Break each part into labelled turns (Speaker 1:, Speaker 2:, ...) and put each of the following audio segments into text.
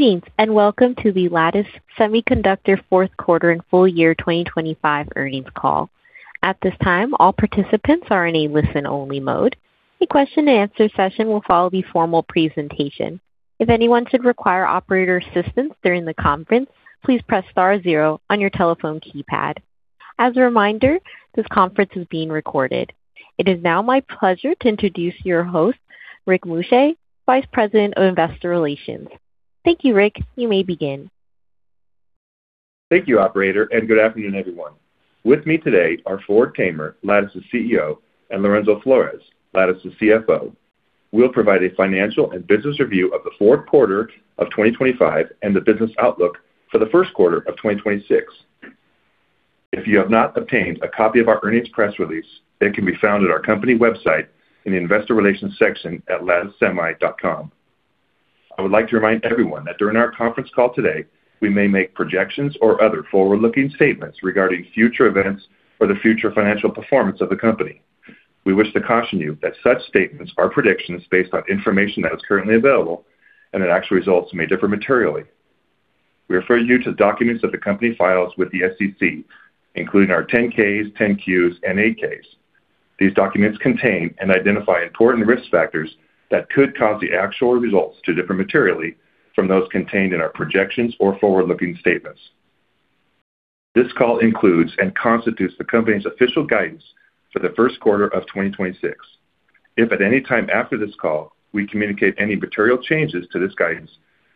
Speaker 1: Greetings and welcome to the Lattice Semiconductor fourth quarter and full year 2025 earnings call. At this time, all participants are in a listen-only mode. A question-and-answer session will follow the formal presentation. If anyone should require operator assistance during the conference, please press star zero on your telephone keypad. As a reminder, this conference is being recorded. It is now my pleasure to introduce your host, Rick Muscha, Vice President of Investor Relations. Thank you, Rick. You may begin.
Speaker 2: Thank you, operator, and good afternoon, everyone. With me today are Ford Tamer, Lattice's CEO, and Lorenzo Flores, Lattice's CFO. We'll provide a financial and business review of the fourth quarter of 2025 and the business outlook for the first quarter of 2026. If you have not obtained a copy of our earnings press release, it can be found at our company website in the Investor Relations section at latticessemi.com. I would like to remind everyone that during our conference call today, we may make projections or other forward-looking statements regarding future events or the future financial performance of the company. We wish to caution you that such statements are predictions based on information that is currently available and that actual results may differ materially. We refer you to the documents that the company files with the SEC, including our 10-Ks, 10-Qs, and 8-Ks. These documents contain and identify important risk factors that could cause the actual results to differ materially from those contained in our projections or forward-looking statements. This call includes and constitutes the company's official guidance for the first quarter of 2026. If at any time after this call we communicate any material changes to this guidance,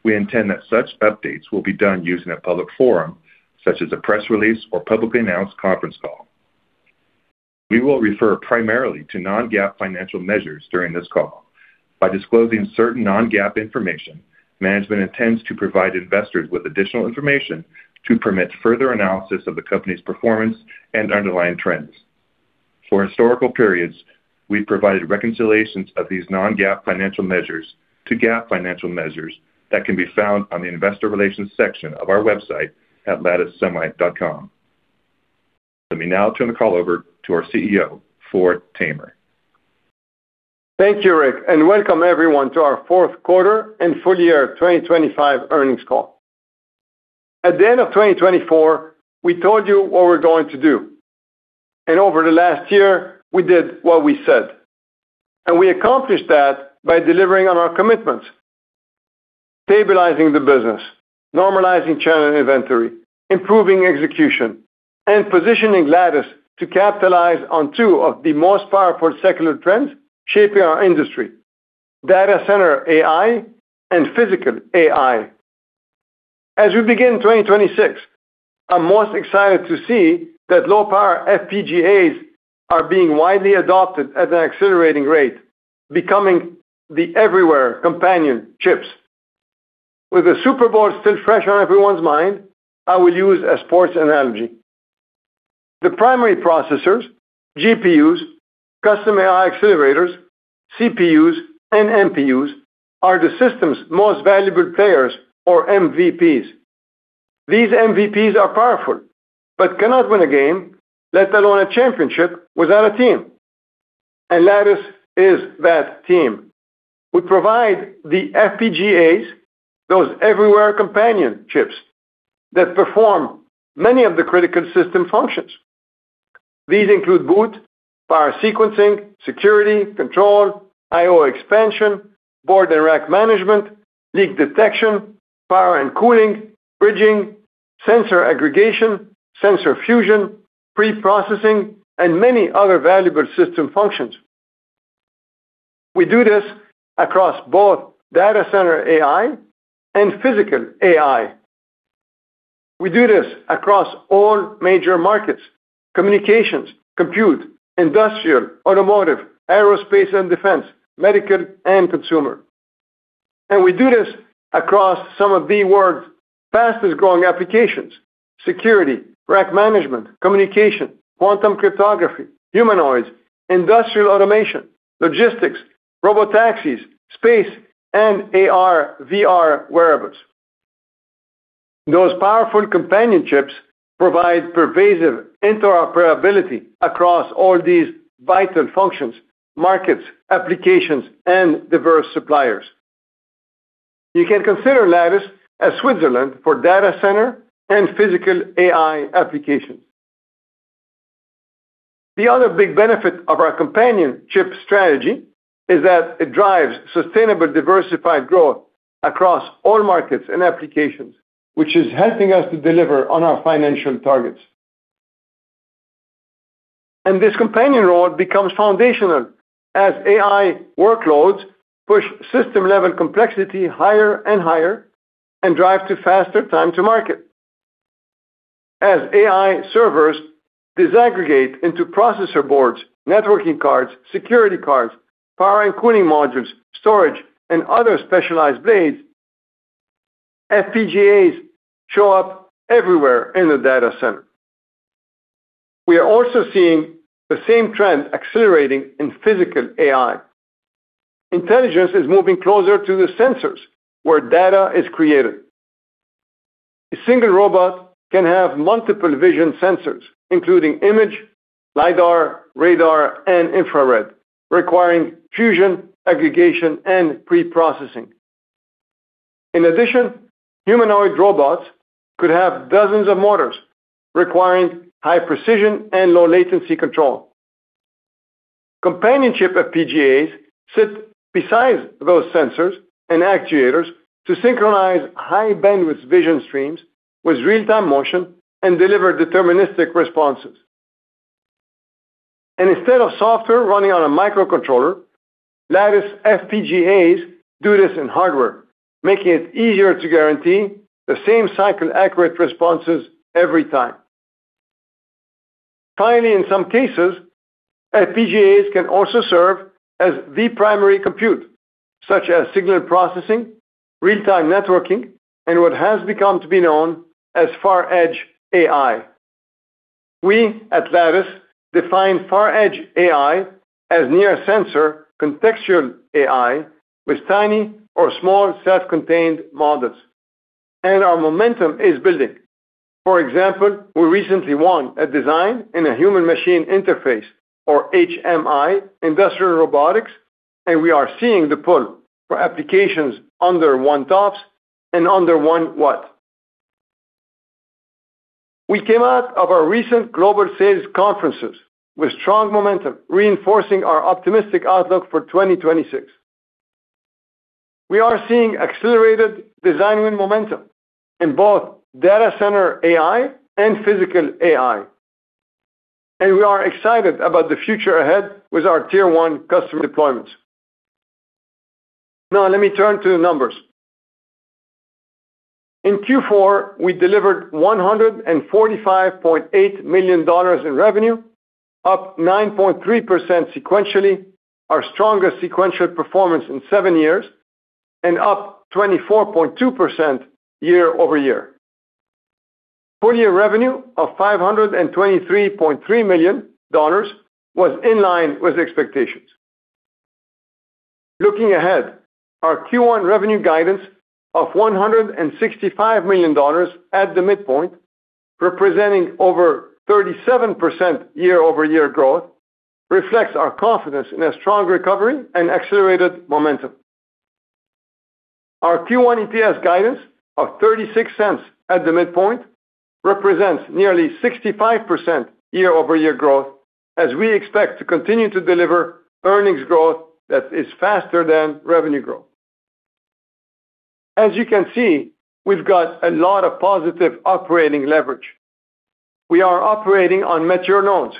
Speaker 2: we intend that such updates will be done using a public forum such as a press release or publicly announced conference call. We will refer primarily to non-GAAP financial measures during this call. By disclosing certain non-GAAP information, management intends to provide investors with additional information to permit further analysis of the company's performance and underlying trends. For historical periods, we've provided reconciliations of these non-GAAP financial measures to GAAP financial measures that can be found on the Investor Relations section of our website at latticessemi.com. Let me now turn the call over to our CEO, Ford Tamer.
Speaker 3: Thank you, Rick, and welcome everyone to our fourth quarter and full year 2025 earnings call. At the end of 2024, we told you what we're going to do, and over the last year, we did what we said. We accomplished that by delivering on our commitments: stabilizing the business, normalizing channel inventory, improving execution, and positioning Lattice to capitalize on two of the most powerful secular trends shaping our industry: Data Center AI and Physical AI. As we begin 2026, I'm most excited to see that low-power FPGAs are being widely adopted at an accelerating rate, becoming the everywhere companion chips. With the Super Bowl still fresh on everyone's mind, I will use a sports analogy. The primary processors, GPUs, custom AI accelerators, CPUs, and NPUs are the system's most valuable players, or MVPs. These MVPs are powerful but cannot win a game, let alone a championship, without a team. And Lattice is that team. We provide the FPGAs, those everywhere companion chips, that perform many of the critical system functions. These include boot, power sequencing, security, control, I/O expansion, board and rack management, leak detection, power and cooling, bridging, sensor aggregation, sensor fusion, preprocessing, and many other valuable system functions. We do this across both Data Center AI and Physical AI. We do this across all major markets: communications, compute, industrial, automotive, aerospace and defense, medical and consumer. And we do this across some of the world's fastest-growing applications: security, rack management, communication, quantum cryptography, humanoids, industrial automation, logistics, robotaxis, space, and AR/VR wearables. Those powerful companion chips provide pervasive interoperability across all these vital functions, markets, applications, and diverse suppliers. You can consider Lattice as Switzerland for data center and physical AI applications. The other big benefit of our companion chip strategy is that it drives sustainable, diversified growth across all markets and applications, which is helping us to deliver on our financial targets. And this companion role becomes foundational as AI workloads push system-level complexity higher and higher and drive to faster time to market, as AI servers disaggregate into processor boards, networking cards, security cards, power and cooling modules, storage, and other specialized blades. FPGAs show up everywhere in the data center. We are also seeing the same trend accelerating in physical AI. Intelligence is moving closer to the sensors where data is created. A single robot can have multiple vision sensors, including image, LIDAR, radar, and infrared, requiring fusion, aggregation, and preprocessing. In addition, humanoid robots could have dozens of motors, requiring high precision and low latency control. Companion chip FPGAs sit, besides those sensors and actuators, to synchronize high-bandwidth vision streams with real-time motion and deliver deterministic responses. And instead of software running on a microcontroller, Lattice FPGAs do this in hardware, making it easier to guarantee the same cycle-accurate responses every time. Finally, in some cases, FPGAs can also serve as the primary compute, such as signal processing, real-time networking, and what has become to be known as far-edge AI. We at Lattice define far-edge AI as near-sensor contextual AI with tiny or small self-contained models. And our momentum is building. For example, we recently won a design in a human-machine interface, or HMI, industrial robotics, and we are seeing the pull for applications under 1 TOPS and under 1 watt. We came out of our recent global sales conferences with strong momentum, reinforcing our optimistic outlook for 2026. We are seeing accelerated design-win momentum in both data center AI and physical AI. We are excited about the future ahead with our tier-one customer deployments. Now, let me turn to the numbers. In Q4, we delivered $145.8 million in revenue, up 9.3% sequentially, our strongest sequential performance in seven years, and up 24.2% year-over-year. Full year revenue of $523.3 million was in line with expectations. Looking ahead, our Q1 revenue guidance of $165 million at the midpoint, representing over 37% year-over-year growth, reflects our confidence in a strong recovery and accelerated momentum. Our Q1 EPS guidance of $0.36 at the midpoint represents nearly 65% year-over-year growth, as we expect to continue to deliver earnings growth that is faster than revenue growth. As you can see, we've got a lot of positive operating leverage. We are operating on mature nodes,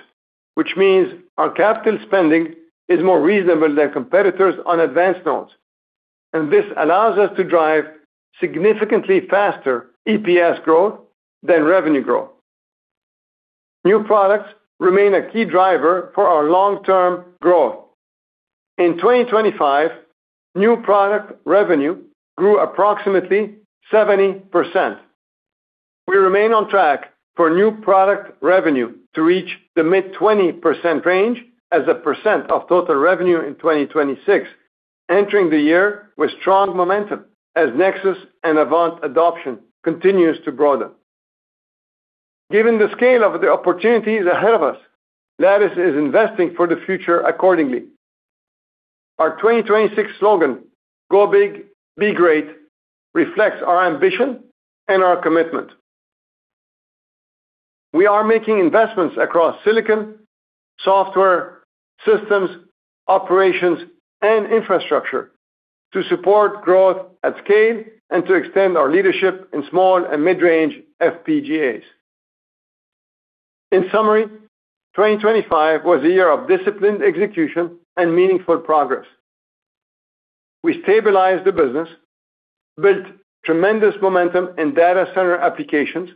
Speaker 3: which means our capital spending is more reasonable than competitors' on-advanced nodes. This allows us to drive significantly faster EPS growth than revenue growth. New products remain a key driver for our long-term growth. In 2025, new product revenue grew approximately 70%. We remain on track for new product revenue to reach the mid-20% range as a percent of total revenue in 2026, entering the year with strong momentum as Nexus and Avant adoption continues to broaden. Given the scale of the opportunities ahead of us, Lattice is investing for the future accordingly. Our 2026 slogan, "Go big, be great," reflects our ambition and our commitment. We are making investments across silicon, software, systems, operations, and infrastructure to support growth at scale and to extend our leadership in small and mid-range FPGAs. In summary, 2025 was a year of disciplined execution and meaningful progress. We stabilized the business, built tremendous momentum in data center applications,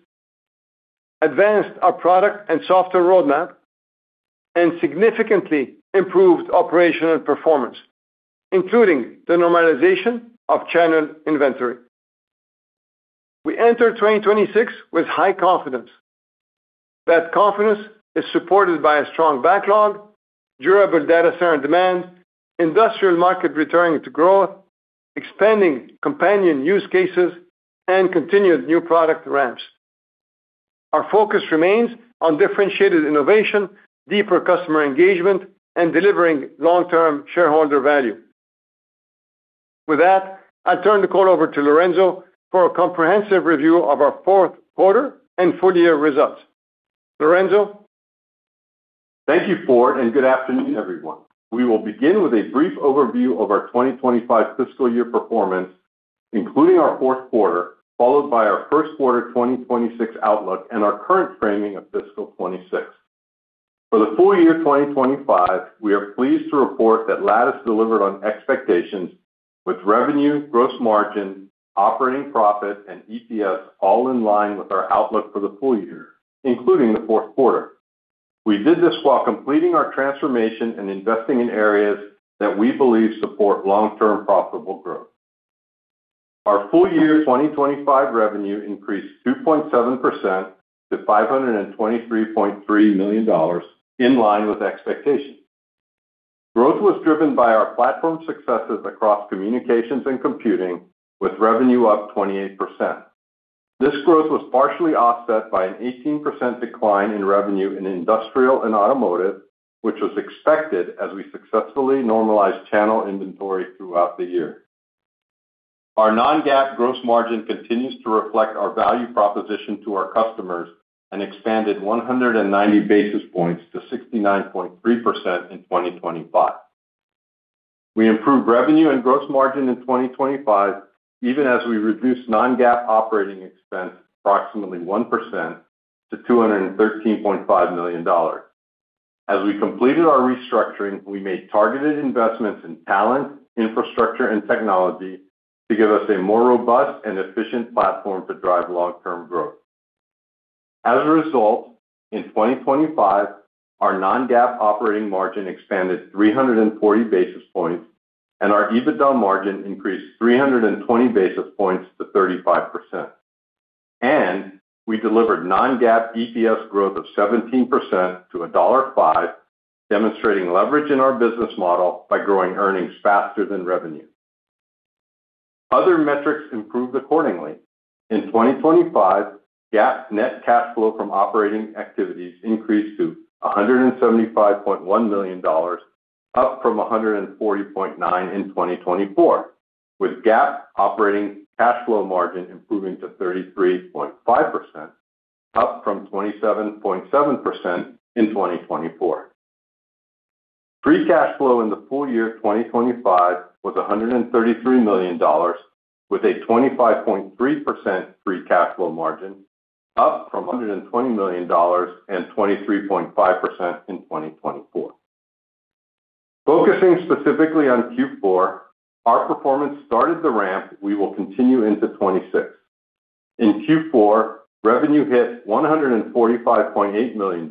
Speaker 3: advanced our product and software roadmap, and significantly improved operational performance, including the normalization of channel inventory. We enter 2026 with high confidence. That confidence is supported by a strong backlog, durable data center demand, industrial market returning to growth, expanding companion use cases, and continued new product ramps. Our focus remains on differentiated innovation, deeper customer engagement, and delivering long-term shareholder value. With that, I'll turn the call over to Lorenzo for a comprehensive review of our fourth quarter and full year results. Lorenzo.
Speaker 4: Thank you, Ford, and good afternoon, everyone. We will begin with a brief overview of our 2025 fiscal year performance, including our fourth quarter, followed by our first quarter 2026 outlook and our current framing of fiscal '26. For the full year 2025, we are pleased to report that Lattice delivered on expectations, with revenue, gross margin, operating profit, and EPS all in line with our outlook for the full year, including the fourth quarter. We did this while completing our transformation and investing in areas that we believe support long-term profitable growth. Our full year 2025 revenue increased 2.7% to $523.3 million, in line with expectations. Growth was driven by our platform successes across communications and computing, with revenue up 28%. This growth was partially offset by an 18% decline in revenue in industrial and automotive, which was expected as we successfully normalized channel inventory throughout the year. Our non-GAAP gross margin continues to reflect our value proposition to our customers and expanded 190 basis points to 69.3% in 2025. We improved revenue and gross margin in 2025, even as we reduced non-GAAP operating expense approximately 1% to $213.5 million. As we completed our restructuring, we made targeted investments in talent, infrastructure, and technology to give us a more robust and efficient platform to drive long-term growth. As a result, in 2025, our non-GAAP operating margin expanded 340 basis points, and our EBITDA margin increased 320 basis points to 35%. We delivered non-GAAP EPS growth of 17% to $1.05, demonstrating leverage in our business model by growing earnings faster than revenue. Other metrics improved accordingly. In 2025, GAAP net cash flow from operating activities increased to $175.1 million, up from $140.9 in 2024, with GAAP operating cash flow margin improving to 33.5%, up from 27.7% in 2024. Free cash flow in the full year 2025 was $133 million, with a 25.3% free cash flow margin, up from $120 million and 23.5% in 2024. Focusing specifically on Q4, our performance started the ramp we will continue into 2026. In Q4, revenue hit $145.8 million,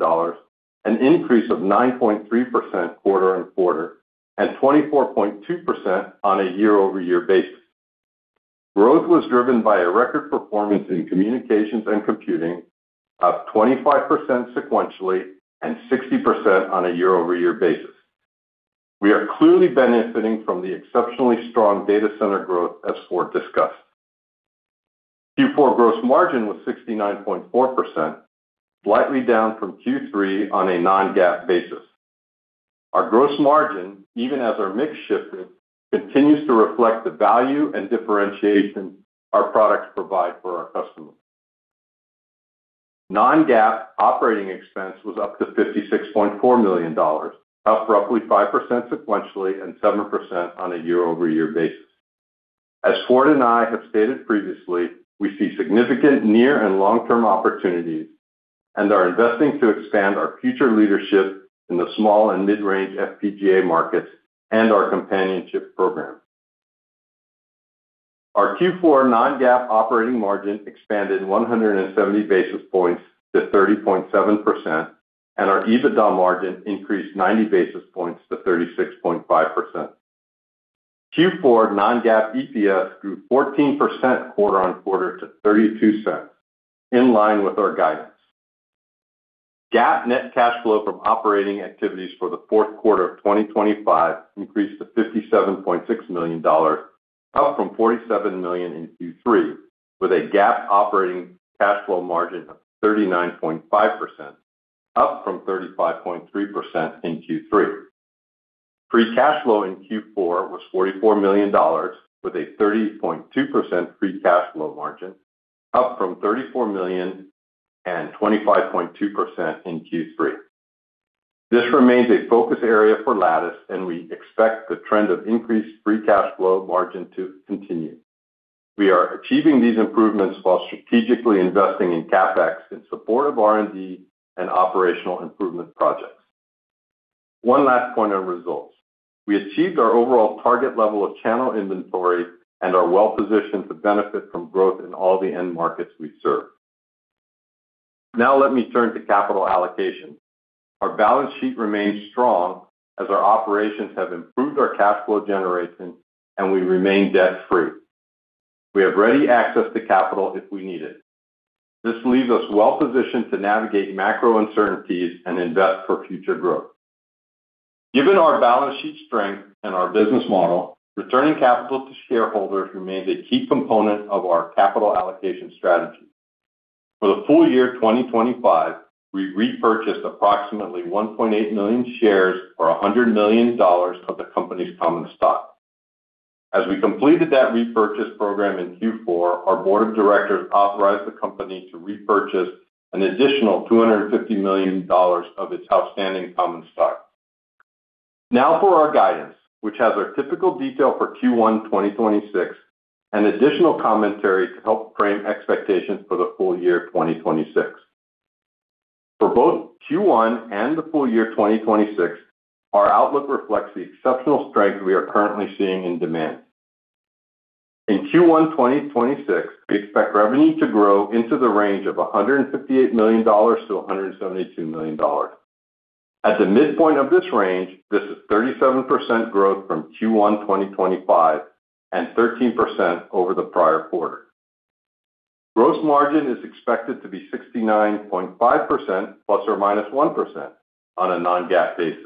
Speaker 4: an increase of 9.3% quarter-over-quarter and 24.2% on a year-over-year basis. Growth was driven by a record performance in communications and computing of 25% sequentially and 60% on a year-over-year basis. We are clearly benefiting from the exceptionally strong data center growth as Ford discussed. Q4 gross margin was 69.4%, slightly down from Q3 on a non-GAAP basis. Our gross margin, even as our mix shifted, continues to reflect the value and differentiation our products provide for our customers. Non-GAAP operating expense was up to $56.4 million, up roughly 5% sequentially and 7% on a year-over-year basis. As Ford and I have stated previously, we see significant near and long-term opportunities and are investing to expand our future leadership in the small and mid-range FPGA markets and our companionship program. Our Q4 non-GAAP operating margin expanded 170 basis points to 30.7%, and our EBITDA margin increased 90 basis points to 36.5%. Q4 non-GAAP EPS grew 14% quarter-over-quarter to $0.32, in line with our guidance. GAAP net cash flow from operating activities for the fourth quarter of 2025 increased to $57.6 million, up from $47 million in Q3, with a GAAP operating cash flow margin of 39.5%, up from 35.3% in Q3. Free cash flow in Q4 was $44 million, with a 30.2% free cash flow margin, up from $34 million and 25.2% in Q3. This remains a focus area for Lattice, and we expect the trend of increased free cash flow margin to continue. We are achieving these improvements while strategically investing in CapEx in support of R&D and operational improvement projects. One last point on results. We achieved our overall target level of channel inventory and are well positioned to benefit from growth in all the end markets we serve. Now, let me turn to capital allocation. Our balance sheet remains strong as our operations have improved our cash flow generation, and we remain debt-free. We have ready access to capital if we need it. This leaves us well positioned to navigate macro uncertainties and invest for future growth. Given our balance sheet strength and our business model, returning capital to shareholders remains a key component of our capital allocation strategy. For the full year 2025, we repurchased approximately 1.8 million shares or $100 million of the company's common stock.
Speaker 2: As we completed that repurchase program in Q4, our board of directors authorized the company to repurchase an additional $250 million of its outstanding common stock. Now for our guidance, which has our typical detail for Q1 2026 and additional commentary to help frame expectations for the full year 2026. For both Q1 and the full year 2026, our outlook reflects the exceptional strength we are currently seeing in demand. In Q1 2026, we expect revenue to grow into the range of $158 million-$172 million. At the midpoint of this range, this is 37% growth from Q1 2025 and 13% over the prior quarter. Gross margin is expected to be 69.5% ± 1% on a non-GAAP basis.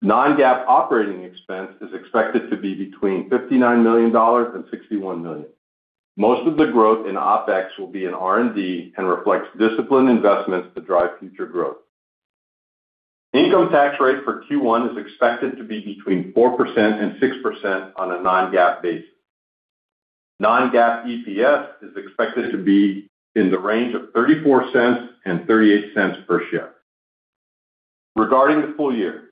Speaker 2: Non-GAAP operating expense is expected to be between $59 million and $61 million. Most of the growth in OpEx will be in R&D and reflects disciplined investments to drive future growth. Income tax rate for Q1 is expected to be between 4%-6% on a non-GAAP basis. Non-GAAP EPS is expected to be in the range of $0.34-$0.38 per share. Regarding the full year,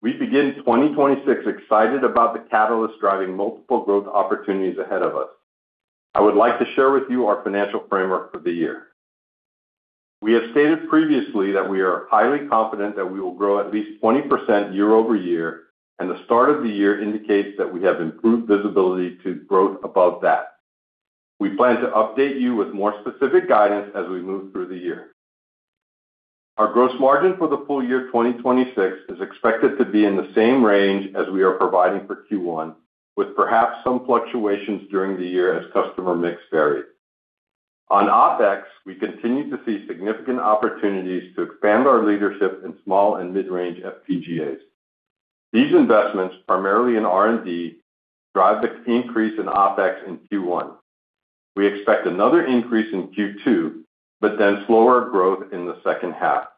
Speaker 2: we begin 2026 excited about the catalyst driving multiple growth opportunities ahead of us. I would like to share with you our financial framework for the year. We have stated previously that we are highly confident that we will grow at least 20% year-over-year, and the start of the year indicates that we have improved visibility to growth above that. We plan to update you with more specific guidance as we move through the year. Our gross margin for the full year 2026 is expected to be in the same range as we are providing for Q1, with perhaps some fluctuations during the year as customer mix varies. On OpEx, we continue to see significant opportunities to expand our leadership in small and mid-range FPGAs. These investments, primarily in R&D, drive the increase in OpEx in Q1. We expect another increase in Q2, but then slower growth in the second half.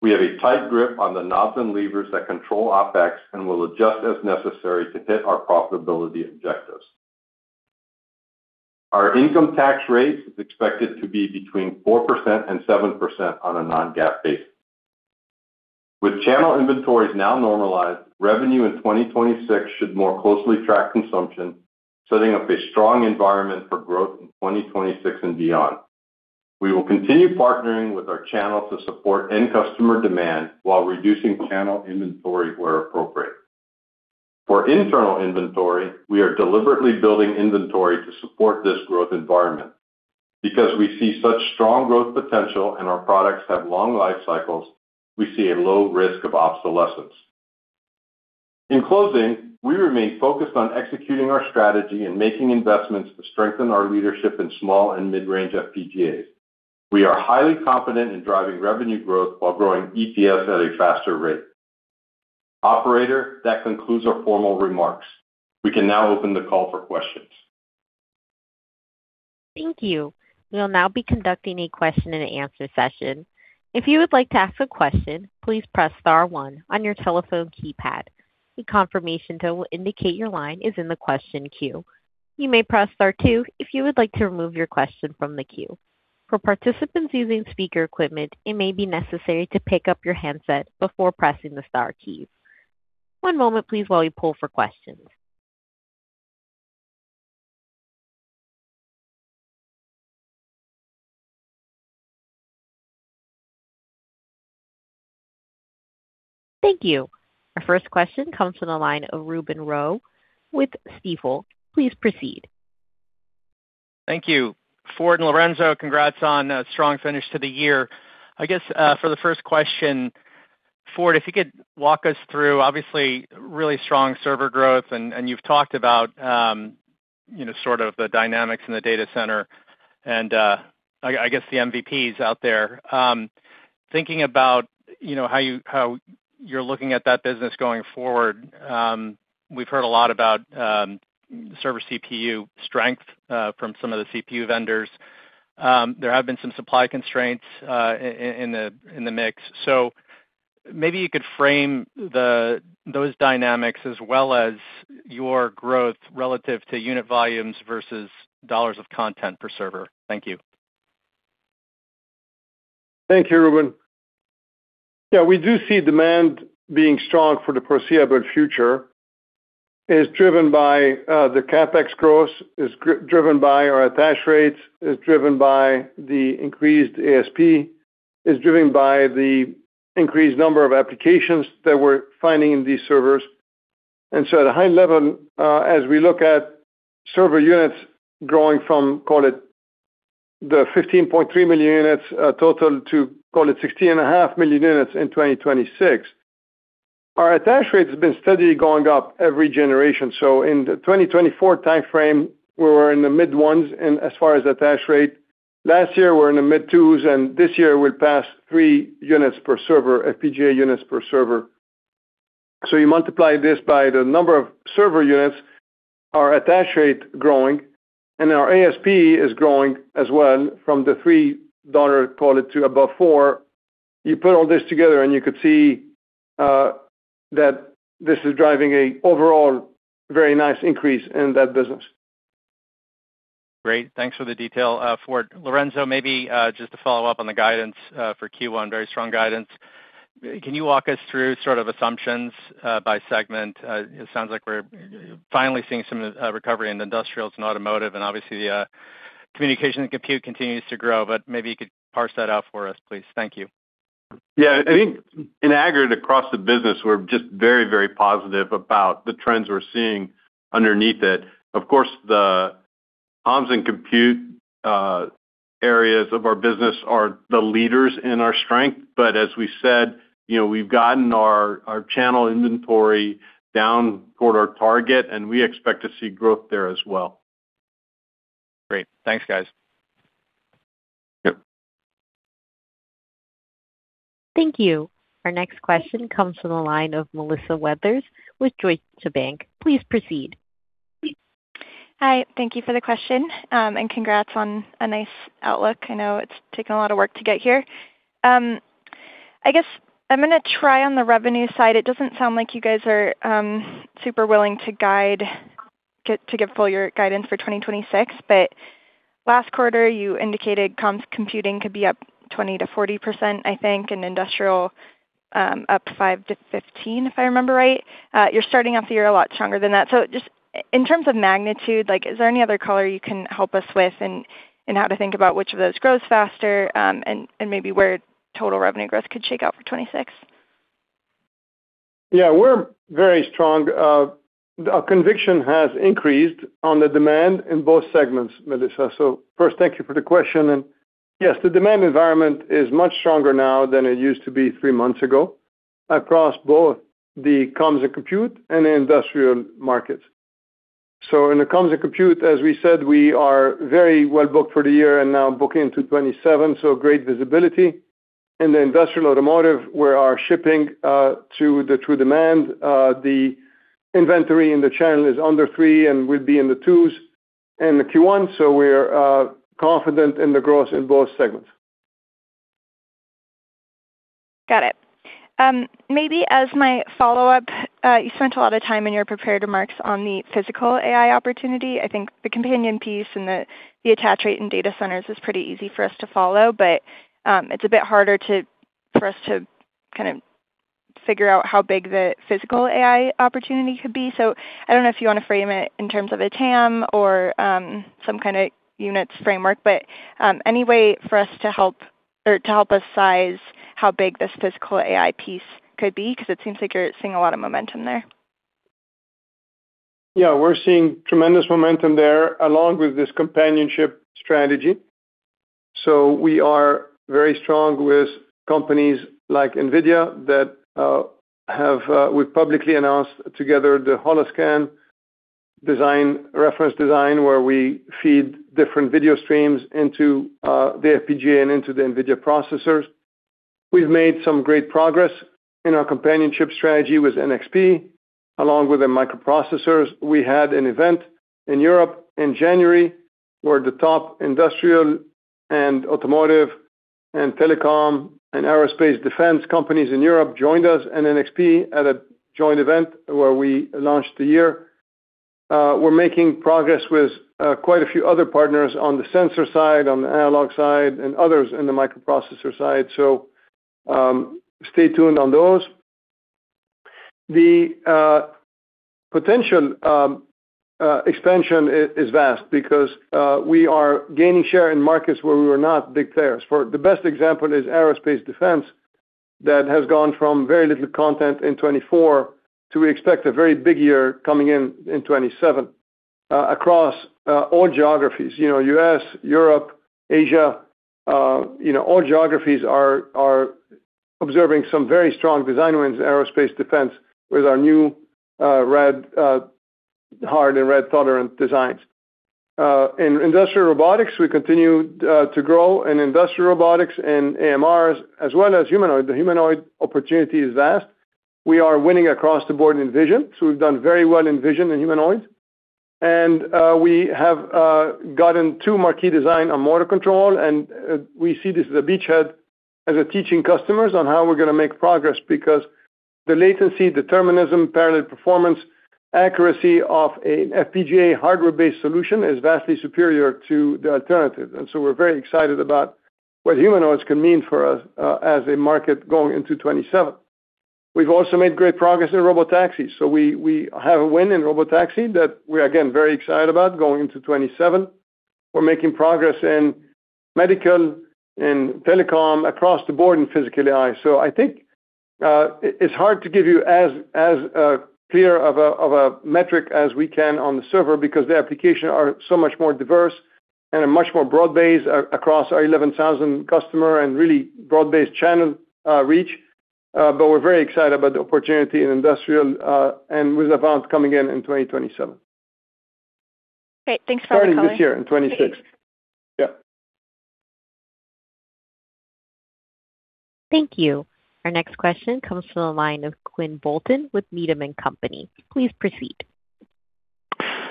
Speaker 2: We have a tight grip on the knobs and levers that control OpEx and will adjust as necessary to hit our profitability objectives. Our income tax rate is expected to be between 4% and 7% on a non-GAAP basis. With channel inventories now normalized, revenue in 2026 should more closely track consumption, setting up a strong environment for growth in 2026 and beyond. We will continue partnering with our channel to support end-customer demand while reducing channel inventory where appropriate. For internal inventory, we are deliberately building inventory to support this growth environment. Because we see such strong growth potential and our products have long lifecycles, we see a low risk of obsolescence. In closing, we remain focused on executing our strategy and making investments to strengthen our leadership in small and mid-range FPGAs. We are highly confident in driving revenue growth while growing EPS at a faster rate. Operator, that concludes our formal remarks. We can now open the call for questions.
Speaker 1: Thank you. We'll now be conducting a question-and-answer session. If you would like to ask a question, please press Star 1 on your telephone keypad. The confirmation tool will indicate your line is in the question queue. You may press Star 2 if you would like to remove your question from the queue. For participants using speaker equipment, it may be necessary to pick up your handset before pressing the Star keys. One moment, please, while we pull for questions. Thank you. Our first question comes from the line of Ruben Roy with Stifel. Please proceed.
Speaker 5: Thank you, Ford and Lorenzo. Congrats on a strong finish to the year. I guess, for the first question, Ford, if you could walk us through, obviously, really strong server growth, and you've talked about sort of the dynamics in the data center and, I guess, the MVPs out there. Thinking about how you're looking at that business going forward, we've heard a lot about server CPU strength from some of the CPU vendors. There have been some supply constraints in the mix. So maybe you could frame those dynamics as well as your growth relative to unit volumes versus dollars of content per server. Thank you.
Speaker 3: Thank you, Ruben. Yeah, we do see demand being strong for the foreseeable future. It's driven by the CapEx growth, it's driven by our attach rates, it's driven by the increased ASP, it's driven by the increased number of applications that we're finding in these servers. So at a high level, as we look at server units growing from, call it, the 15.3 million units total to, call it, 16.5 million units in 2026, our attach rate has been steadily going up every generation. So in the 2024 timeframe, we were in the mid-ones as far as attach rate. Last year, we were in the mid-twos, and this year we'll pass 3 units per server, FPGA units per server. So you multiply this by the number of server units, our attach rate growing, and our ASP is growing as well from the $3, call it, to above $4. You put all this together, and you could see that this is driving an overall very nice increase in that business.
Speaker 5: Great. Thanks for the detail, Ford. Lorenzo, maybe just to follow up on the guidance for Q1, very strong guidance. Can you walk us through sort of assumptions by segment? It sounds like we're finally seeing some recovery in industrials and automotive, and obviously, the communication and compute continues to grow. But maybe you could parse that out for us, please. Thank you.
Speaker 4: Yeah, I think in aggregate across the business, we're just very, very positive about the trends we're seeing underneath it. Of course, the comms and compute areas of our business are the leaders in our strength. But as we said, we've gotten our channel inventory down toward our target, and we expect to see growth there as well.
Speaker 5: Great. Thanks, guys.
Speaker 1: Thank you. Our next question comes from the line of Melissa Weathers with Deutsche Bank. Please proceed.
Speaker 6: Hi. Thank you for the question, and congrats on a nice outlook. I know it's taken a lot of work to get here. I guess I'm going to try on the revenue side. It doesn't sound like you guys are super willing to give full guidance for 2026, but last quarter, you indicated comms computing could be up 20%-40%, I think, and industrial up 5%-15%, if I remember right. You're starting off the year a lot stronger than that. Just in terms of magnitude, is there any other color you can help us with in how to think about which of those grows faster and maybe where total revenue growth could shake out for 2026?
Speaker 3: Yeah, we're very strong. Our conviction has increased on the demand in both segments, Melissa. So first, thank you for the question. And yes, the demand environment is much stronger now than it used to be three months ago across both the comms and compute and the industrial markets. So in the comms and compute, as we said, we are very well booked for the year and now booking into 2027, so great visibility. In the industrial automotive, where our shipping to the true demand, the inventory in the channel is under 3 and will be in the 2s in the Q1. So we're confident in the growth in both segments.
Speaker 6: Got it. Maybe as my follow-up, you spent a lot of time in your prepared remarks on the Physical AI opportunity. I think the companion piece and the attach rate in data centers is pretty easy for us to follow, but it's a bit harder for us to kind of figure out how big the Physical AI opportunity could be. So I don't know if you want to frame it in terms of a TAM or some kind of units framework, but any way for us to help us size how big this Physical AI piece could be because it seems like you're seeing a lot of momentum there.
Speaker 3: Yeah, we're seeing tremendous momentum there along with this companionship strategy. So we are very strong with companies like NVIDIA that we've publicly announced together the Holoscan reference design where we feed different video streams into the FPGA and into the NVIDIA processors. We've made some great progress in our companionship strategy with NXP along with the microprocessors. We had an event in Europe in January where the top industrial and automotive and telecom and aerospace defense companies in Europe joined us and NXP at a joint event where we launched the year. We're making progress with quite a few other partners on the sensor side, on the analog side, and others in the microprocessor side. So stay tuned on those. The potential expansion is vast because we are gaining share in markets where we were not big players. The best example is aerospace defense that has gone from very little content in 2024 to expect a very big year coming in in 2027 across all geographies: U.S., Europe, Asia. All geographies are observing some very strong design wins in aerospace defense with our new Rad-Hard and Rad-Tolerant designs. In industrial robotics, we continue to grow in industrial robotics and AMRs as well as humanoid. The humanoid opportunity is vast. We are winning across the board in vision. So we've done very well in vision and humanoids. And we have gotten two marquee designs on motor control, and we see this as a beachhead as a teaching customers on how we're going to make progress because the latency, determinism, parallel performance, accuracy of an FPGA hardware-based solution is vastly superior to the alternative. And so we're very excited about what humanoids can mean for us as a market going into 2027. We've also made great progress in robotaxis. So we have a win in robotaxi that we're, again, very excited about going into 2027. We're making progress in medical, in telecom across the board and physical AI. So I think it's hard to give you as clear of a metric as we can on the server because the applications are so much more diverse and a much more broad base across our 11,000 customer and really broad-based channel reach. But we're very excited about the opportunity in industrial and with the event coming in in 2027.
Speaker 6: Great. Thanks for having us.
Speaker 3: Starting this year in 2026. Yeah.
Speaker 1: Thank you. Our next question comes from the line of Quinn Bolton with Needham & Company. Please proceed.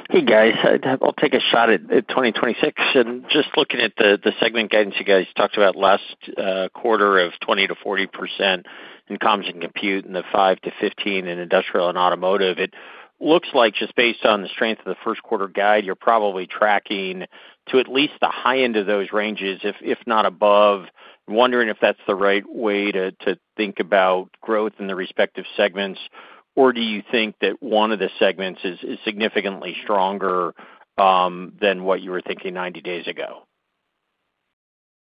Speaker 7: Hey, guys. I'll take a shot at 2026. Just looking at the segment guidance you guys talked about last quarter of 20%-40% in comms and compute and the 5%-15% in industrial and automotive, it looks like just based on the strength of the first quarter guide, you're probably tracking to at least the high end of those ranges, if not above. I'm wondering if that's the right way to think about growth in the respective segments, or do you think that one of the segments is significantly stronger than what you were thinking 90 days ago?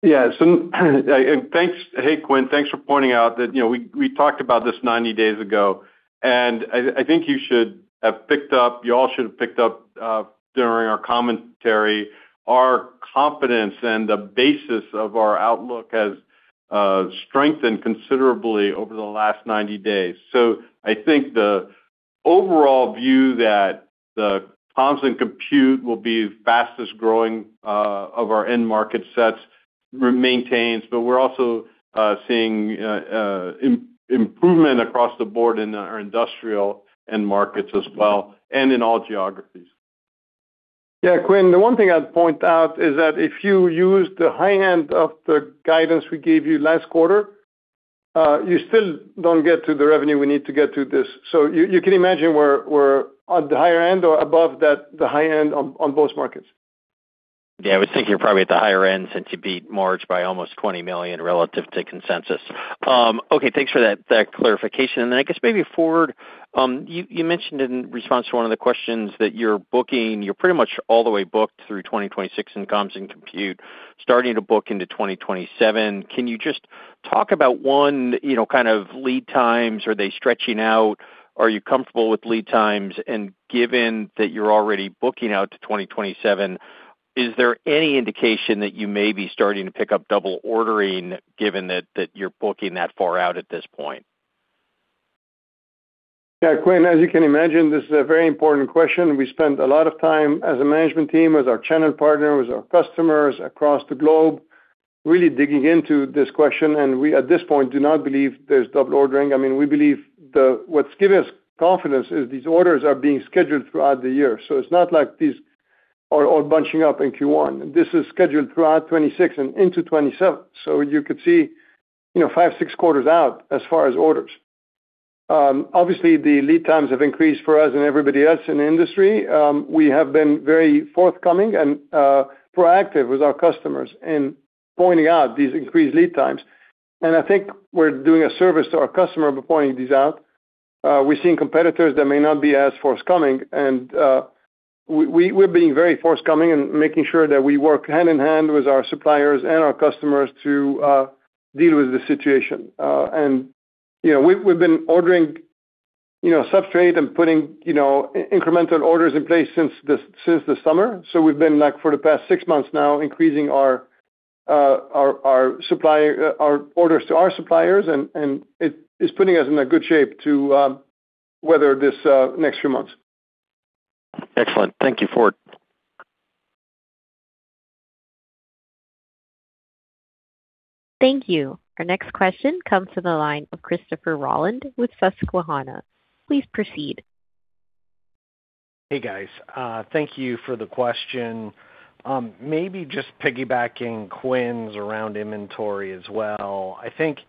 Speaker 3: Yeah. Hey, Quinn, thanks for pointing out that we talked about this 90 days ago. I think you all should have picked up during our commentary our confidence and the basis of our outlook has strengthened considerably over the last 90 days. So I think the overall view that the comms and compute will be fastest growing of our end market sets remains, but we're also seeing improvement across the board in our industrial end markets as well and in all geographies. Yeah, Quinn, the one thing I'd point out is that if you use the high end of the guidance we gave you last quarter, you still don't get to the revenue we need to get to this. So you can imagine we're at the higher end or above the high end on both markets.
Speaker 7: Yeah, I was thinking you're probably at the higher end since you beat Marge by almost $20 million relative to consensus. Okay, thanks for that clarification. And then I guess maybe Ford, you mentioned in response to one of the questions that you're pretty much all the way booked through 2026 in comms and compute, starting to book into 2027. Can you just talk about one kind of lead times? Are they stretching out? Are you comfortable with lead times? And given that you're already booking out to 2027, is there any indication that you may be starting to pick up double ordering given that you're booking that far out at this point?
Speaker 3: Yeah, Quinn, as you can imagine, this is a very important question. We spent a lot of time as a management team, as our channel partner, with our customers across the globe really digging into this question. And we, at this point, do not believe there's double ordering. I mean, we believe what's given us confidence is these orders are being scheduled throughout the year. So it's not like these are all bunching up in Q1. This is scheduled throughout 2026 and into 2027. So you could see 5, 6 quarters out as far as orders. Obviously, the lead times have increased for us and everybody else in the industry. We have been very forthcoming and proactive with our customers in pointing out these increased lead times. And I think we're doing a service to our customer by pointing these out. We're seeing competitors that may not be as forthcoming. We're being very forthcoming and making sure that we work hand in hand with our suppliers and our customers to deal with the situation. We've been ordering substrate and putting incremental orders in place since the summer. So we've been, for the past six months now, increasing our orders to our suppliers, and it's putting us in a good shape to weather this next few months.
Speaker 7: Excellent. Thank you, Ford.
Speaker 1: Thank you. Our next question comes from the line of Christopher Rolland with Susquehanna. Please proceed.
Speaker 8: Hey, guys. Thank you for the question. Maybe just piggybacking Quinn's around inventory as well. I think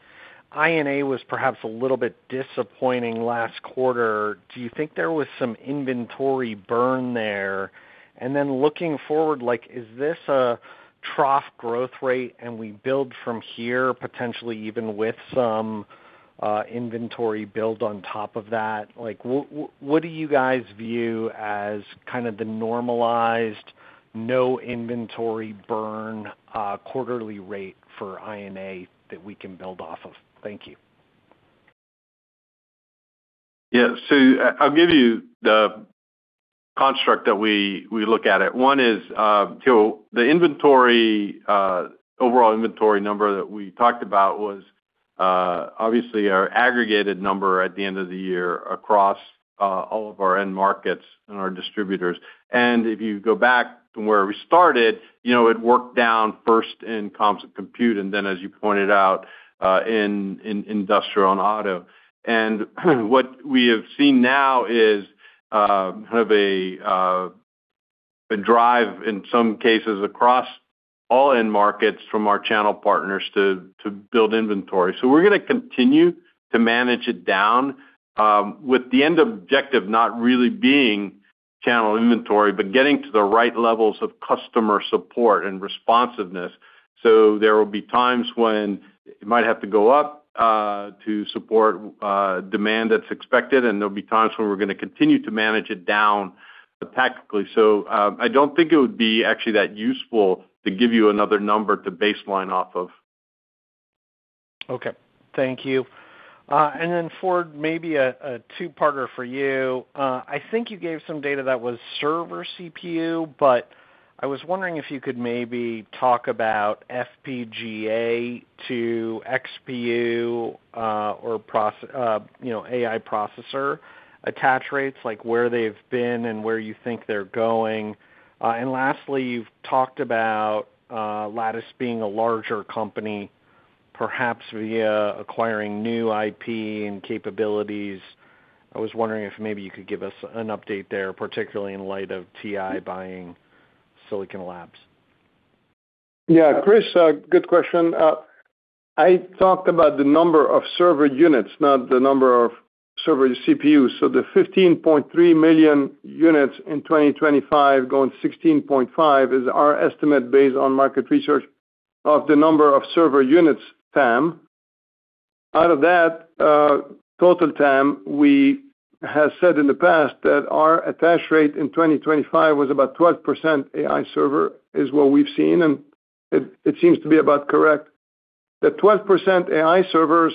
Speaker 8: INA was perhaps a little bit disappointing last quarter. Do you think there was some inventory burn there? And then looking forward, is this a trough growth rate, and we build from here, potentially even with some inventory build on top of that? What do you guys view as kind of the normalized no-inventory burn quarterly rate for INA that we can build off of? Thank you.
Speaker 4: Yeah. So I'll give you the construct that we look at it. One is the overall inventory number that we talked about was obviously our aggregated number at the end of the year across all of our end markets and our distributors. And if you go back to where we started, it worked down first in comms and compute and then, as you pointed out, in industrial and auto. And what we have seen now is kind of a drive in some cases across all end markets from our channel partners to build inventory. So we're going to continue to manage it down with the end objective not really being channel inventory, but getting to the right levels of customer support and responsiveness. So there will be times when it might have to go up to support demand that's expected, and there'll be times when we're going to continue to manage it down tactically. So I don't think it would be actually that useful to give you another number to baseline off of.
Speaker 8: Okay. Thank you. And then, Ford, maybe a two-parter for you. I think you gave some data that was server CPU, but I was wondering if you could maybe talk about FPGA to XPU or AI processor attach rates, where they've been and where you think they're going. And lastly, you've talked about Lattice being a larger company, perhaps via acquiring new IP and capabilities. I was wondering if maybe you could give us an update there, particularly in light of TI buying Silicon Labs.
Speaker 3: Yeah, Chris, good question. I talked about the number of server units, not the number of server CPUs. So the 15.3 million units in 2025 going 16.5 is our estimate based on market research of the number of server units TAM. Out of that total TAM, we have said in the past that our attach rate in 2025 was about 12% AI server is what we've seen, and it seems to be about correct. The 12% AI servers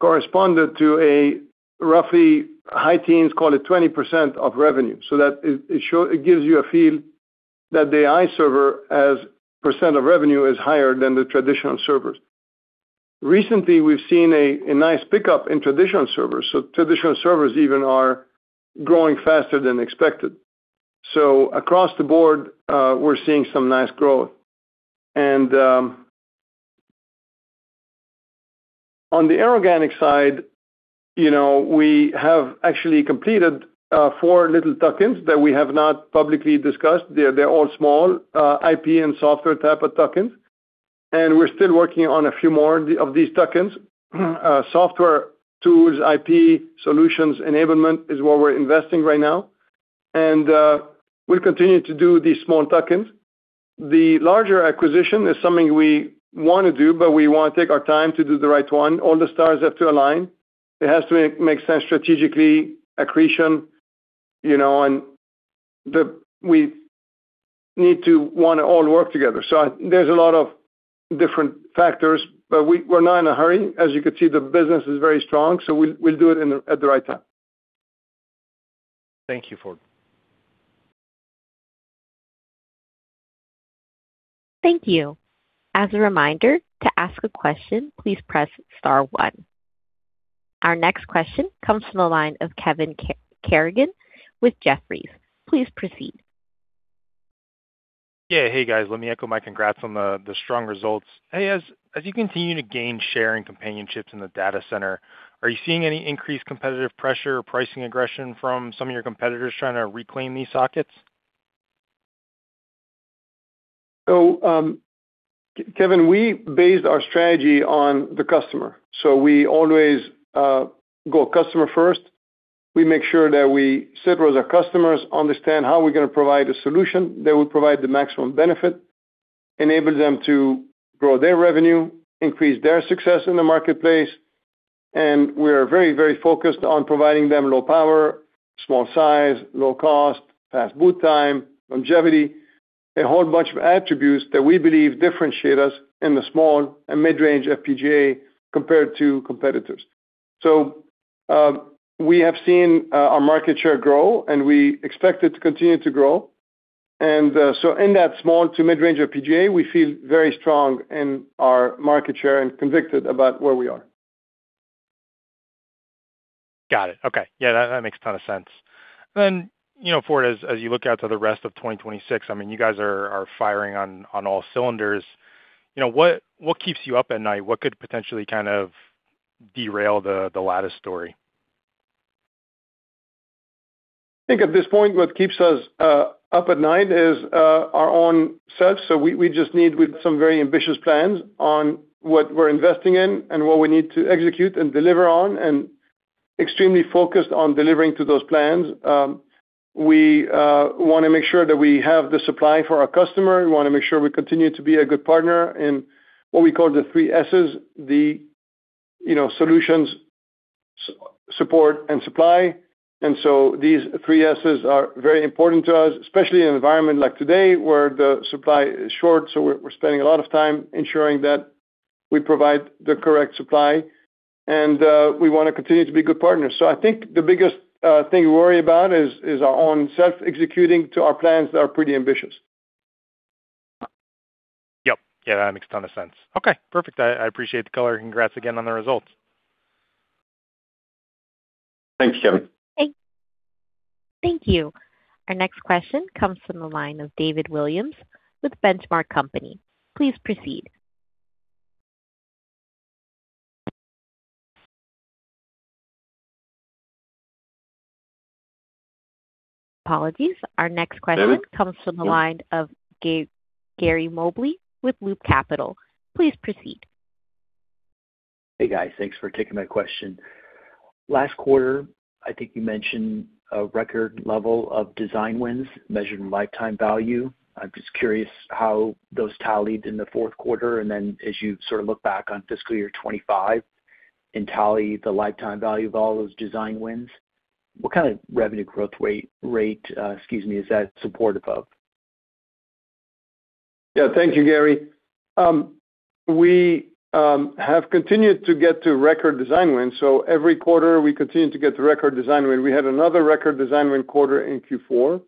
Speaker 3: corresponded to a roughly high teens, call it 20% of revenue. So it gives you a feel that the AI server percent of revenue is higher than the traditional servers. Recently, we've seen a nice pickup in traditional servers. So traditional servers even are growing faster than expected. So across the board, we're seeing some nice growth. On the inorganic side, we have actually completed four little tuck-ins that we have not publicly discussed. They're all small IP and software type of tuck-ins. We're still working on a few more of these tuck-ins. Software tools, IP solutions, enablement is what we're investing right now. We'll continue to do these small tuck-ins. The larger acquisition is something we want to do, but we want to take our time to do the right one. All the stars have to align. It has to make sense strategically, accretion. We need to want to all work together. There's a lot of different factors, but we're not in a hurry. As you could see, the business is very strong. We'll do it at the right time.
Speaker 8: Thank you, Ford.
Speaker 1: Thank you. As a reminder, to ask a question, please press star one. Our next question comes from the line of Kevin Garrigan with Jefferies. Please proceed.
Speaker 9: Yeah. Hey, guys. Let me echo my congrats on the strong results. Hey, as you continue to gain share and companion chips in the data center, are you seeing any increased competitive pressure or pricing aggression from some of your competitors trying to reclaim these sockets?
Speaker 3: So, Kevin, we based our strategy on the customer. So we always go customer first. We make sure that we sit with our customers, understand how we're going to provide a solution that will provide the maximum benefit, enable them to grow their revenue, increase their success in the marketplace. And we are very, very focused on providing them low power, small size, low cost, fast boot time, longevity, a whole bunch of attributes that we believe differentiate us in the small and mid-range FPGA compared to competitors. So we have seen our market share grow, and we expect it to continue to grow. And so in that small to mid-range FPGA, we feel very strong in our market share and convicted about where we are.
Speaker 9: Got it. Okay. Yeah, that makes a ton of sense. And then, Ford, as you look out to the rest of 2026, I mean, you guys are firing on all cylinders. What keeps you up at night? What could potentially kind of derail the Lattice story?
Speaker 3: I think at this point, what keeps us up at night is our own self. So we just need some very ambitious plans on what we're investing in and what we need to execute and deliver on and extremely focused on delivering to those plans. We want to make sure that we have the supply for our customer. We want to make sure we continue to be a good partner in what we call the three S's, the solutions, support, and supply. And so these three S's are very important to us, especially in an environment like today where the supply is short. So we're spending a lot of time ensuring that we provide the correct supply. And we want to continue to be good partners. So I think the biggest thing we worry about is our own self-executing to our plans that are pretty ambitious.
Speaker 9: Yep. Yeah, that makes a ton of sense. Okay. Perfect. I appreciate the color. Congrats again on the results.
Speaker 3: Thanks, Kevin.
Speaker 1: Thank you. Our next question comes from the line of David Williams with Benchmark Company. Please proceed. Apologies. Our next question comes from the line of Gary Mobley with Loop Capital. Please proceed.
Speaker 10: Hey, guys. Thanks for taking my question. Last quarter, I think you mentioned a record level of design wins measured in lifetime value. I'm just curious how those tallied in the fourth quarter. And then as you sort of look back on fiscal year 2025 and tally the lifetime value of all those design wins, what kind of revenue growth rate - excuse me - is that supportive of?
Speaker 3: Yeah. Thank you, Gary. We have continued to get to record design wins. So every quarter, we continue to get to record design wins. We had another record design win quarter in Q4.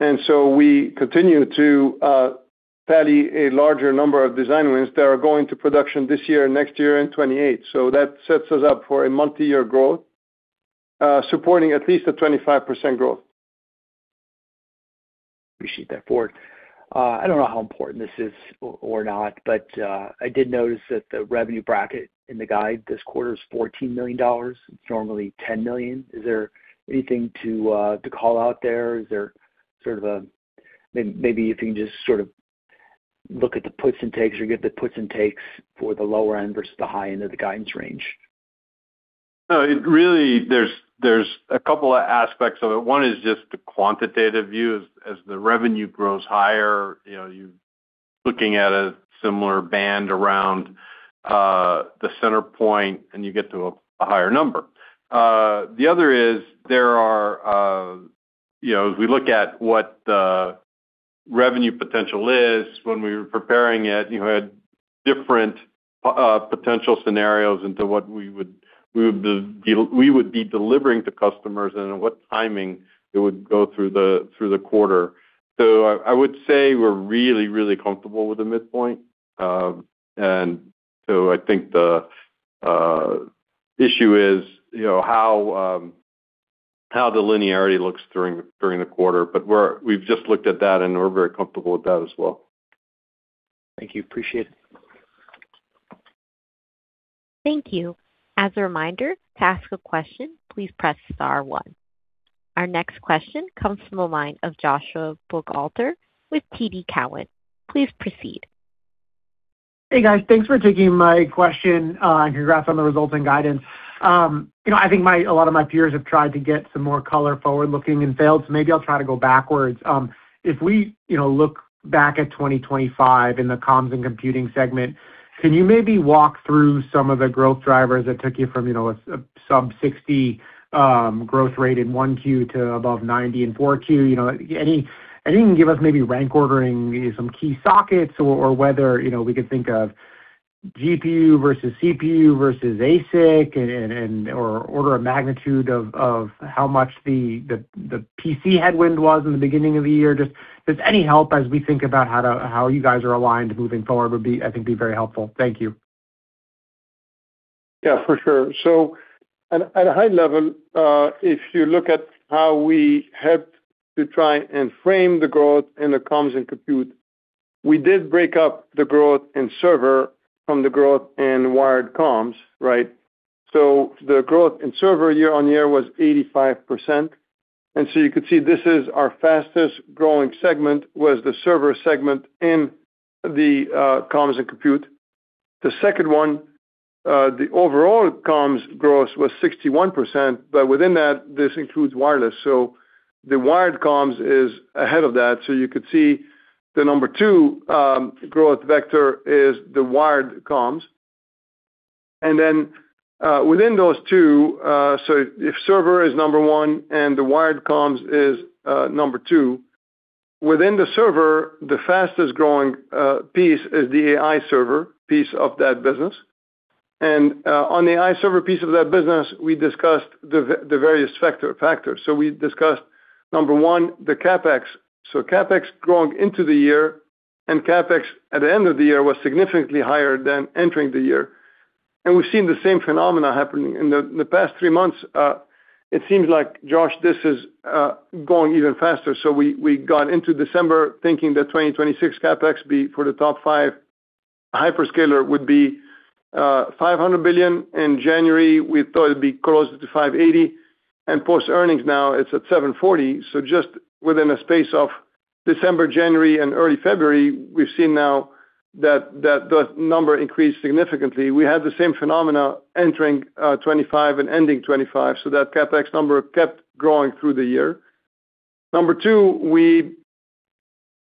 Speaker 3: And so we continue to tally a larger number of design wins that are going to production this year, next year, and 2028. So that sets us up for a multi-year growth, supporting at least a 25% growth.
Speaker 10: Appreciate that, Ford. I don't know how important this is or not, but I did notice that the revenue bracket in the guide this quarter is $14 million. It's normally $10 million. Is there anything to call out there? Is there sort of a maybe if you can just sort of look at the puts and takes or give the puts and takes for the lower end versus the high end of the guidance range?
Speaker 4: No, really, there's a couple of aspects of it. One is just the quantitative view. As the revenue grows higher, you're looking at a similar band around the center point, and you get to a higher number. The other is there are, as we look at what the revenue potential is, when we were preparing it, you had different potential scenarios into what we would be delivering to customers and what timing it would go through the quarter. So I would say we're really, really comfortable with the midpoint. And so I think the issue is how the linearity looks during the quarter. But we've just looked at that, and we're very comfortable with that as well.
Speaker 10: Thank you. Appreciate it.
Speaker 1: Thank you. As a reminder, to ask a question, please press star one. Our next question comes from the line of Joshua Buchalter with TD Cowen. Please proceed.
Speaker 11: Hey, guys. Thanks for taking my question and congrats on the results and guidance. I think a lot of my peers have tried to get some more color forward-looking and failed. So maybe I'll try to go backwards. If we look back at 2025 in the comms and computing segment, can you maybe walk through some of the growth drivers that took you from a sub-60% growth rate in one Q to above 90% in four Q? Anything give us maybe rank ordering some key sockets or whether we could think of GPU versus CPU versus ASIC or order of magnitude of how much the PC headwind was in the beginning of the year? Just any help as we think about how you guys are aligned moving forward would, I think, be very helpful. Thank you.
Speaker 3: Yeah, for sure. So at a high level, if you look at how we helped to try and frame the growth in the comms and compute, we did break up the growth in server from the growth in wired comms, right? So the growth in server year-on-year was 85%. And so you could see this is our fastest growing segment was the server segment in the comms and compute. The second one, the overall comms growth was 61%, but within that, this includes wireless. So the wired comms is ahead of that. So you could see the number two growth vector is the wired comms. And then within those two so if server is number one and the wired comms is number two, within the server, the fastest growing piece is the AI server piece of that business. And on the AI server piece of that business, we discussed the various factors. So we discussed, number one, the CapEx. So CapEx growing into the year and CapEx at the end of the year was significantly higher than entering the year. And we've seen the same phenomena happening. In the past three months, it seems like, Josh, this is going even faster. So we got into December thinking that 2026 CapEx for the top five hyperscaler would be $500 billion. In January, we thought it'd be closer to $580 billion. And post-earnings, now it's at $740 billion. So just within a space of December, January, and early February, we've seen now that that number increased significantly. We had the same phenomena entering 2025 and ending 2025. So that CapEx number kept growing through the year. Number 2, we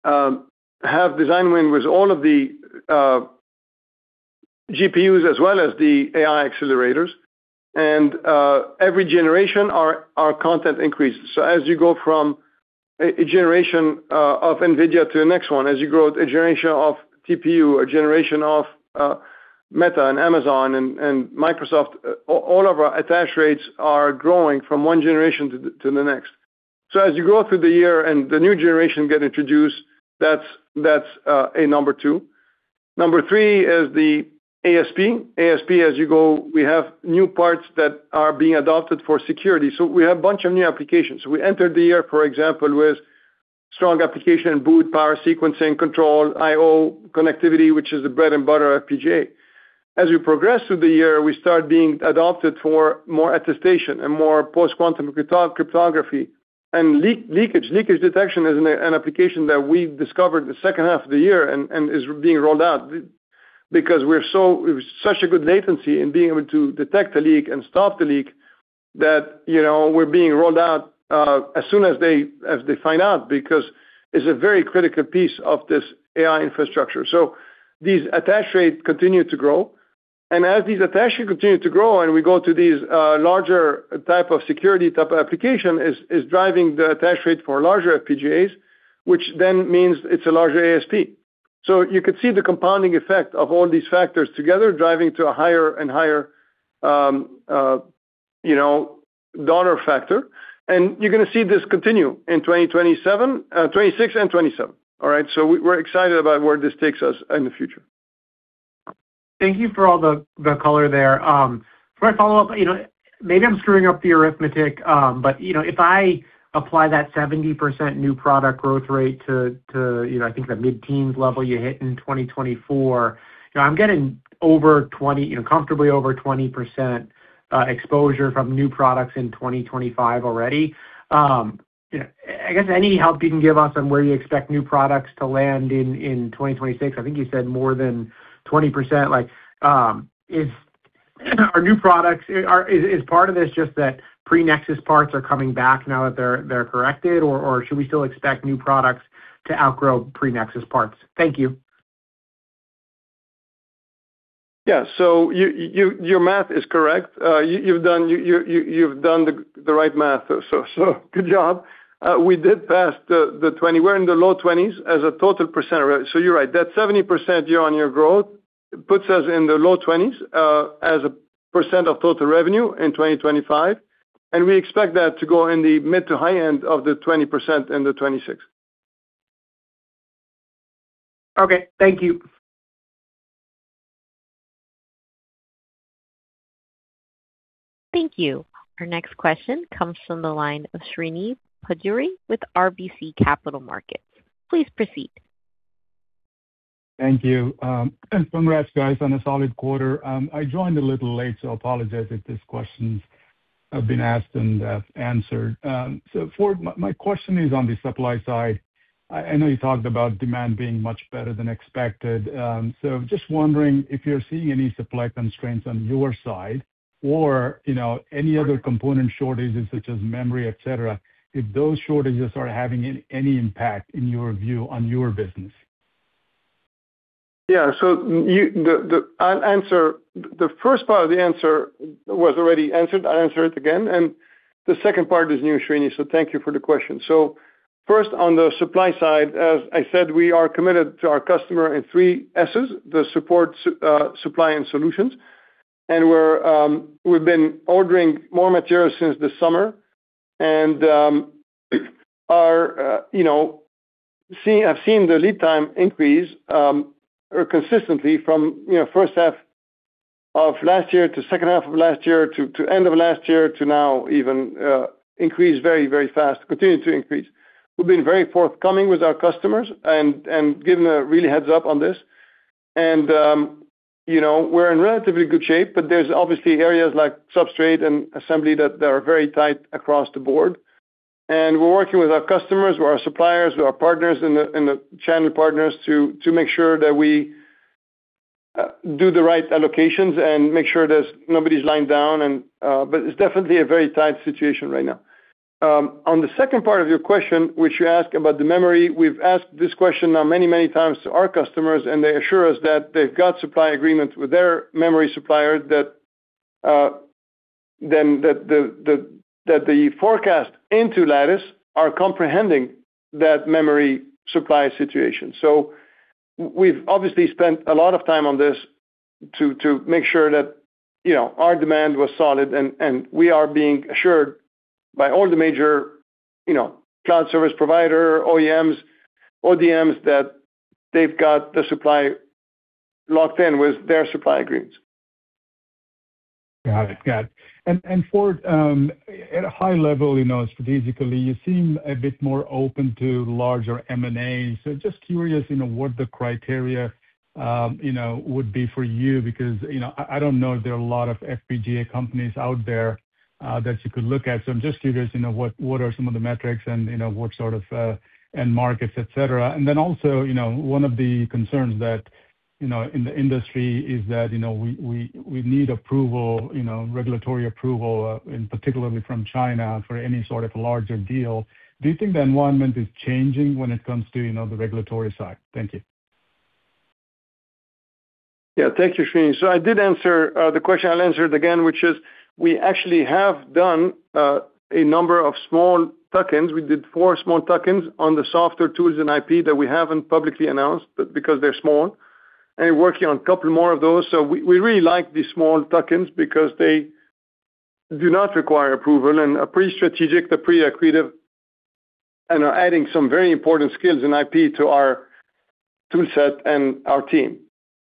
Speaker 3: have design win with all of the GPUs as well as the AI accelerators. And every generation, our content increases. So as you go from a generation of NVIDIA to the next one, as you grow a generation of TPU, a generation of Meta and Amazon and Microsoft, all of our attach rates are growing from one generation to the next. So as you grow through the year and the new generation get introduced, that's a number 2. Number 3 is the ASP. ASP, as you go, we have new parts that are being adopted for security. So we have a bunch of new applications. So we entered the year, for example, with strong application boot, power sequencing control, I/O connectivity, which is the bread and butter of FPGA. As we progress through the year, we start being adopted for more attestation and more Post-Quantum Cryptography and leakage. Leakage detection is an application that we discovered the second half of the year and is being rolled out because we're such a good latency in being able to detect a leak and stop the leak that we're being rolled out as soon as they find out because it's a very critical piece of this AI infrastructure. So these attach rates continue to grow. And as these attach rates continue to grow and we go to these larger type of security type of application is driving the attach rate for larger FPGAs, which then means it's a larger ASP. So you could see the compounding effect of all these factors together driving to a higher and higher donor factor. You're going to see this continue in 2026 and 2027, all right? We're excited about where this takes us in the future.
Speaker 11: Thank you for all the color there. For my follow-up, maybe I'm screwing up the arithmetic, but if I apply that 70% new product growth rate to, I think, the mid-teens level you hit in 2024, I'm getting comfortably over 20% exposure from new products in 2025 already. I guess any help you can give us on where you expect new products to land in 2026? I think you said more than 20%. Are new products is part of this just that pre-Nexus parts are coming back now that they're corrected, or should we still expect new products to outgrow pre-Nexus parts? Thank you.
Speaker 3: Yeah. So your math is correct. You've done the right math, so good job. We did pass the 20%. We're in the low-20s% as a total percentage. So you're right. That 70% year-on-year growth puts us in the low-20s% as a percent of total revenue in 2025. And we expect that to go in the mid- to high-20s% in 2026.
Speaker 11: Okay. Thank you.
Speaker 1: Thank you. Our next question comes from the line of Srinivasan Pajjuri with RBC Capital Markets. Please proceed.
Speaker 12: Thank you. Congrats, guys, on a solid quarter. I joined a little late, so apologize if these questions have been asked and answered. So, Ford, my question is on the supply side. I know you talked about demand being much better than expected. So just wondering if you're seeing any supply constraints on your side or any other component shortages such as memory, etc., if those shortages are having any impact in your view on your business.
Speaker 3: Yeah. So I'll answer. The first part of the answer was already answered. I'll answer it again. And the second part is new, Srinivasan. So thank you for the question. So first, on the supply side, as I said, we are committed to our customer in three S's, the support, supply, and solutions. And we've been ordering more materials since the summer and have seen the lead time increase consistently from first half of last year to second half of last year to end of last year to now even increase very, very fast, continue to increase. We've been very forthcoming with our customers and given a really heads-up on this. And we're in relatively good shape, but there's obviously areas like substrate and assembly that are very tight across the board. We're working with our customers, with our suppliers, with our partners in the channel partners to make sure that we do the right allocations and make sure that nobody's lying down. But it's definitely a very tight situation right now. On the second part of your question, which you asked about the memory, we've asked this question now many, many times to our customers, and they assure us that they've got supply agreements with their memory supplier that the forecast into Lattice are comprehending that memory supply situation. So we've obviously spent a lot of time on this to make sure that our demand was solid, and we are being assured by all the major cloud service provider, OEMs, ODMs that they've got the supply locked in with their supply agreements.
Speaker 12: Got it. Got it. Ford, at a high level, strategically, you seem a bit more open to larger M&A. So just curious what the criteria would be for you because I don't know if there are a lot of FPGA companies out there that you could look at. So I'm just curious what are some of the metrics and what sort of end markets, etc. Then also, one of the concerns that in the industry is that we need approval, regulatory approval, particularly from China for any sort of a larger deal. Do you think the environment is changing when it comes to the regulatory side? Thank you.
Speaker 3: Yeah. Thank you, Srinivasan. So I did answer the question. I'll answer it again, which is we actually have done a number of small tuck-ins. We did 4 small tuck-ins on the softer tools and IP that we haven't publicly announced because they're small. And we're working on a couple more of those. So we really like these small tuck-ins because they do not require approval and are pretty strategic, they're pretty accretive, and are adding some very important skills and IP to our toolset and our team.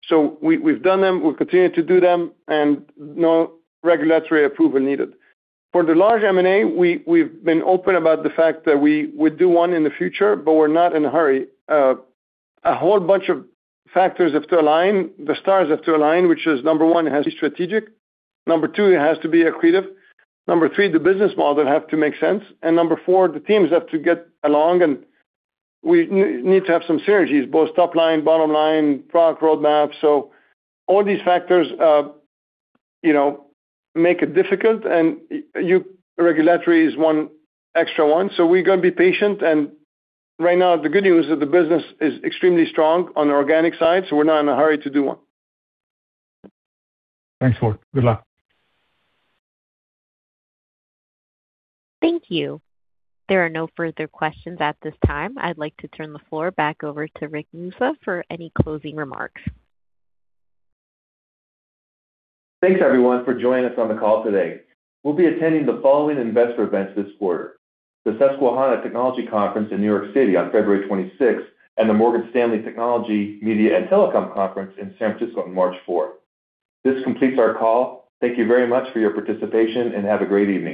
Speaker 3: So we've done them. We'll continue to do them, and no regulatory approval needed. For the large M&A, we've been open about the fact that we would do one in the future, but we're not in a hurry. A whole bunch of factors have to align. The stars have to align, which is, number one, it has to be strategic. Number two, it has to be accretive. Number three, the business model has to make sense. And number four, the teams have to get along, and we need to have some synergies, both top line, bottom line, product roadmap. So all these factors make it difficult, and regulatory is one extra one. So we're going to be patient. And right now, the good news is the business is extremely strong on the organic side, so we're not in a hurry to do one.
Speaker 12: Thanks, Ford. Good luck.
Speaker 3: Thank you. There are no further questions at this time. I'd like to turn the floor back over to Rick Muscha for any closing remarks.
Speaker 2: Thanks, everyone, for joining us on the call today. We'll be attending the following investor events this quarter: the Susquehanna Technology Conference in New York City on February 26th and the Morgan Stanley Technology, Media, and Telecom Conference in San Francisco on March 4th. This completes our call. Thank you very much for your participation, and have a great evening.